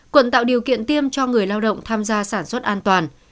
quận tạo điều kiện tiêm cho người lao động tham gia sản xuất an toàn